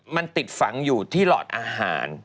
มันติดฝังอยู่ที่หลอดอาหาร